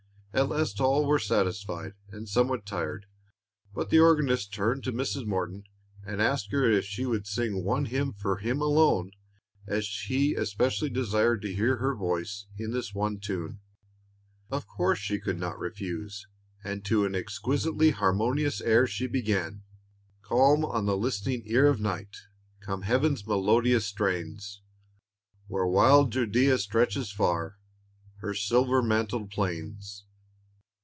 At last all were satisfied, and somewhat tired; but the organist turned to Mrs. Morton, and asked her if she would sing one hymn for him alone, as he especially desired to hear her voice in this one tune. Of course she could not refuse, and to an exquisitely harmonious air she began, "Calm on the listening ear of night Come heaven's melodious strains, Where wild Judæa stretches far Her silver mantled plains.